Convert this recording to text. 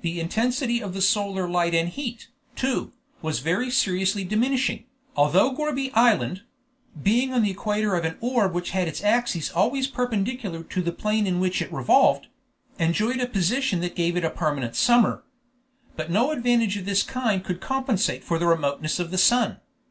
The intensity of the solar light and heat, too, was very seriously diminishing, although Gourbi Island (being on the equator of an orb which had its axes always perpendicular to the plane in which it revolved) enjoyed a position that gave it a permanent summer. But no advantage of this kind could compensate for the remoteness of the sun.